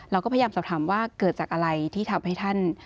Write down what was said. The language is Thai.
เราก็พยายามสอบถามว่าเกิดจากอะไรที่ทำให้ท่าน